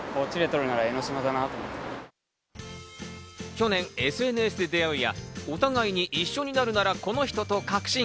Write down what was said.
去年ＳＮＳで出会うや、お互いに一緒になるならこの人と確信。